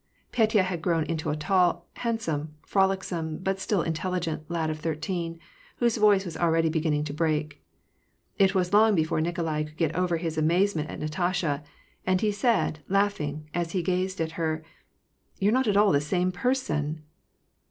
Petya had grown into a tall, handsome, frolicsome, but still intelligent, lad of thirteen, whose voice was already beginning to break. It was long before Nikolai could get over his amazement at Natasha, and he said, laughing, as he gazed at her, —'' You're not at all the same person